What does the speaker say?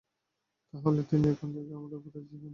তাহলে তিনি এখন থেকে আমাদের উপদেশ দেবেন?